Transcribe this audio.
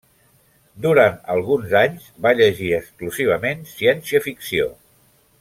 Durant alguns anys va llegir exclusivament ciència-ficció.